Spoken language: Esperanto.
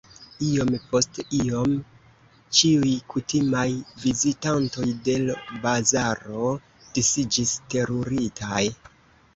Iom post iom ĉiuj kutimaj vizitantoj de l' bazaro disiĝis teruritaj.